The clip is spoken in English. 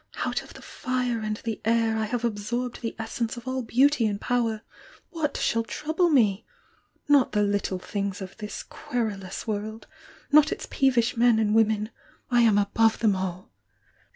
Out of the fire and the air I have absorbed the essence of all beauty and power! — what shall trouble me? Not the things of this little querulous world! — not its peevish men and women! — I am above them all!